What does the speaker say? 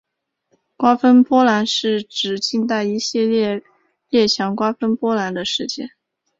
瓜分波兰是指近代一系列列强瓜分波兰的事件。